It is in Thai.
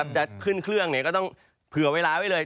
จะขึ้นเครื่องก็ต้องเผื่อเวลาไว้เลย